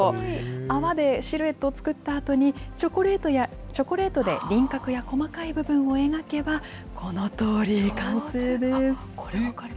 泡でシルエットを作ったあとに、チョコレートで輪郭や細かい部分を描けば、このとおり、完成です。